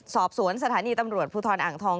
สอบสวนสถานีตำรวจภูทรอ่างทอง